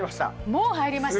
もう入りました！